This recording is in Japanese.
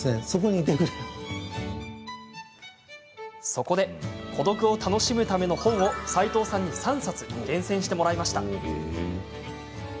そこで孤独を楽しむための本を齋藤さんに３冊厳選してもらいました。